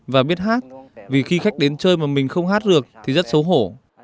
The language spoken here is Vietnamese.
và biết hát vì khi khách đến chơi mà mình không hát được thì rất xấu hổ